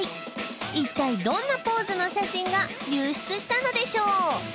一体どんなポーズの写真が流出したのでしょう？